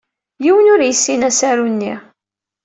Yiwen ur yessin asaru-nni.